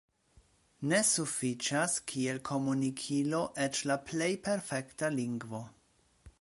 Ne sufiĉas kiel komunikilo eĉ la plej perfekta lingvo.